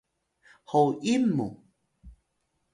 hoyil mu